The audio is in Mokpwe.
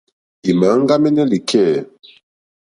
Ì mà áŋɡámɛ́nɛ́ lìkɛ̂.